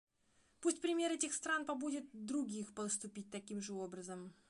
Пусть пример этих стран побудит других поступить таким же образом.